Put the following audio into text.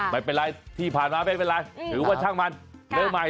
ไม่เป็นไรที่ผ่านมาไม่เป็นไร